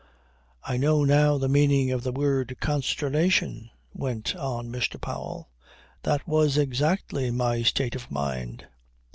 "I know now the meaning of the word 'Consternation,'" went on Mr. Powell. "That was exactly my state of mind.